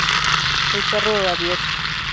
El perro rabioso